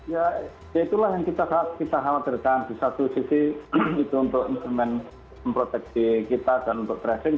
ya itulah yang kita khawatirkan di satu sisi itu untuk instrumen memproteksi kita dan untuk tracing